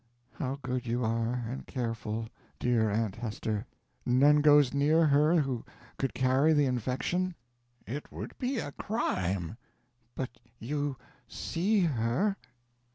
"How good you are, and careful, dear Aunt Hester! None goes near her who could carry the infection?" "It would be a crime." "But you _see _her?"